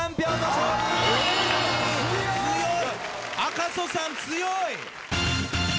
赤楚さん強い。